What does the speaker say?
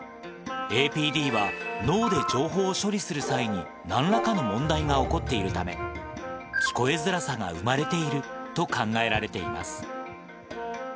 ＡＰＤは、脳で情報を処理する際になんらかの問題が起こっているため、聞こえづらさが生まれていると考えられています。